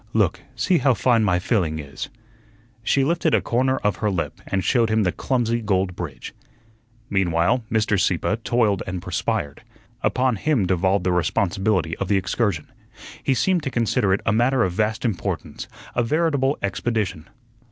Look, see how fine my filling is." She lifted a corner of her lip and showed him the clumsy gold bridge. Meanwhile, Mr. Sieppe toiled and perspired. Upon him devolved the responsibility of the excursion. He seemed to consider it a matter of vast importance, a veritable expedition.